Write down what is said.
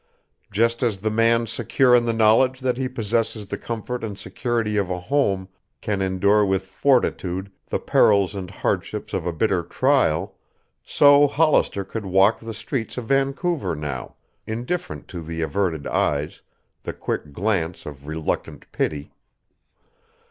Just as the man secure in the knowledge that he possesses the comfort and security of a home can endure with fortitude the perils and hardships of a bitter trial, so Hollister could walk the streets of Vancouver now, indifferent to the averted eyes, the quick glance of reluctant pity.